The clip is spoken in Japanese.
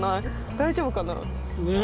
大丈夫かな？ね。